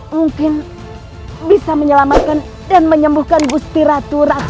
mungkin bisa menyelamatkan dan menyembuhkan gusti ratu raksanasi